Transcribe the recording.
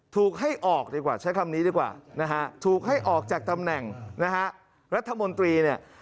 ถูกให้ออกจากตำแหน่งรัฐมนตรี